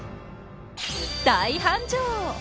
大繁盛。